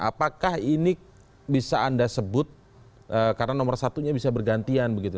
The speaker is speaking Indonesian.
apakah ini bisa anda sebut karena nomor satunya bisa bergantian begitu